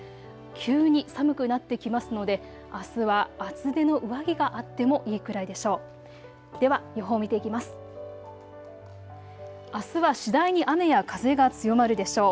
急に寒くなってきますのであすは厚手の上着があってもいいくらいでしょう。